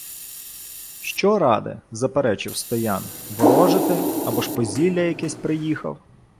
— Що ради! — заперечив Стоян. — Ворожити. Або ж по зілля якесь приїхав.